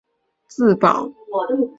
元末与兄廖永安在巢湖结寨自保。